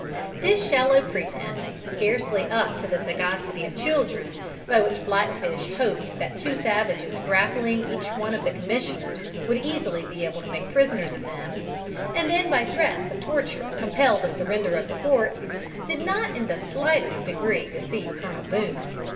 This shallow pretense, scarcely up to the sagacity of children, by which Blackfish hoped that two savages grappling each one of the commissioners would easily be able to make prisoners of them, and then by threats of torture compel the surrender of the fort, did not in the slightest degree deceive Colonel Boone.